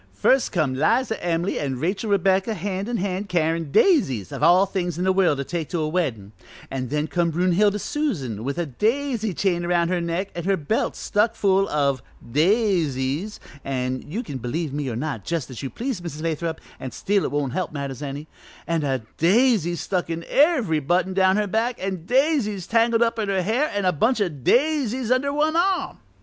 "First come 'Liza Em'ly an' Rachel Rebecca hand in hand carryin' daisies of all things in the world to take to a weddin' an' then come Brunhilde Susan, with a daisy chain around her neck an' her belt stuck full o' daisies an' you can believe me or not, jus' as you please, Mrs. Lathrop, an' still it won't help matters any an' a daisy stuck in every button down her back, an' daisies tangled up in her hair, an' a bunch o' daisies under one arm.